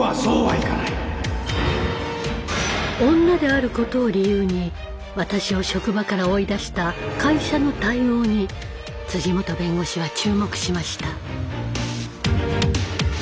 女であることを理由に私を職場から追い出した「会社」の対応に本弁護士は注目しました。